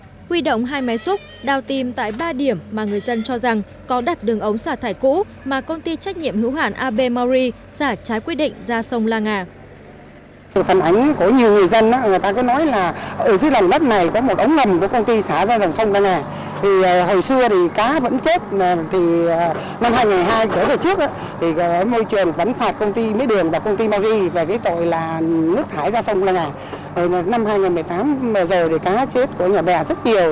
huy động hai máy xúc đào tìm tại ba điểm mà người dân cho rằng có đặt đường ống xả thải cũ mà công ty trách nhiệm hữu hạn abmri xả trái quy định ra sông la nga